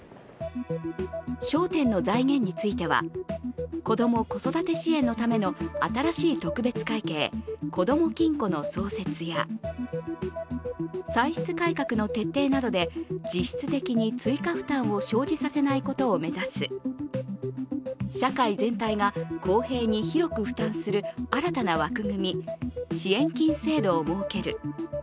焦点の財源については子ども・子育て支援のための新しい特別会計こども金庫の創設や、歳出改革の徹底などで実質的に追加負担を生じさせないことを目指す社会全体が公平に広く負担する新たな枠組み支援金制度を設ける。